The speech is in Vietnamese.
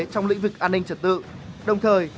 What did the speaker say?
trong lĩnh vực an ninh trật tự đồng thời